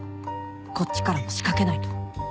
こっちからも仕掛けないと